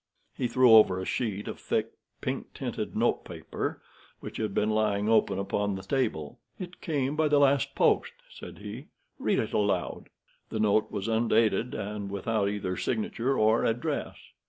He threw over a sheet of thick pink tinted note paper which had been lying open upon the table. "It came by the last post," said he. "Read it aloud." The note was undated, and without either signature or address.